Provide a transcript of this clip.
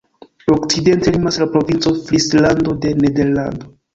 Okcidente limas la Provinco Frislando de Nederlando.